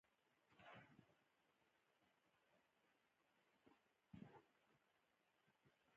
خو بیا هم په ښارونو کې چې ټول خلک وېښ هم وي.